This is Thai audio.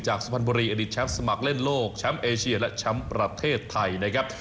สุพรรณบุรีอดีตแชมป์สมัครเล่นโลกแชมป์เอเชียและแชมป์ประเทศไทยนะครับ